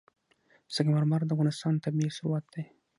سنگ مرمر د افغانستان طبعي ثروت دی.